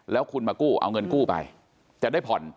แล้วคุณมากู้เอาเงินกู้ไปจะได้ผ่อน